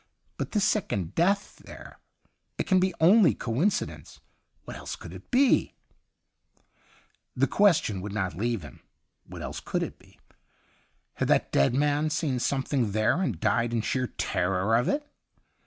But this second death there — it can be only coinci dence. What else could it be .''' The question would not leave him. What else could it be ? Had that dead man seen something there and died in sheer terror of it